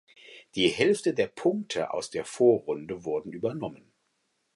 Die Hälfte der Punkte aus der Vorrunde wurden übernommen.